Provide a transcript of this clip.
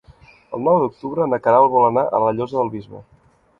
El nou d'octubre na Queralt vol anar a la Llosa del Bisbe.